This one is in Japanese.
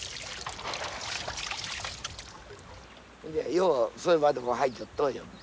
ようそれまでも入っちょっとうよ。